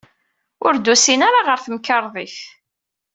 Ur d-usin ara ɣer temkarḍit.